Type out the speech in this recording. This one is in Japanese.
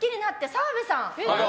澤部さん。